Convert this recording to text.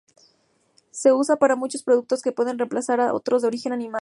Es usada para muchos productos que pueden reemplazar a otros de origen animal.